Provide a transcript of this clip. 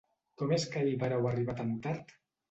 Com és que ahir vàreu arribar tan tard?